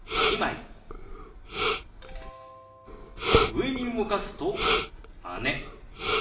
上に動かすと「姉」。